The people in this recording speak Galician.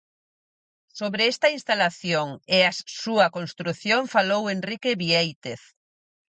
Sobre esta instalación e as súa construción falou Henrique Viéitez.